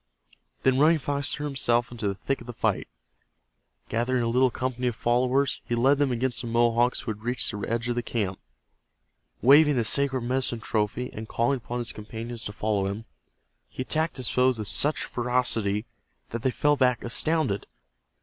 Then Running Fox threw himself into the thick of the fight. Gathering a little company of followers, he led them against the Mohawks who had reached the edge of the camp. Waving the sacred medicine trophy, and calling upon his companions to follow him, he attacked his foes with such ferocity that they fell back astounded.